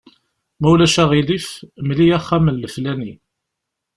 Ma ulac aɣilif, mel-iyi axxam n leflani.